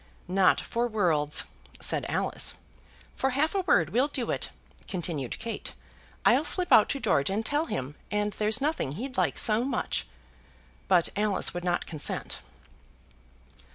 "Not for worlds," said Alice. "For half a word we'll do it," continued Kate. "I'll slip out to George and tell him, and there's nothing he'd like so much." But Alice would not consent.